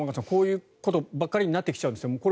こういうことばかりになってきちゃうんですよね。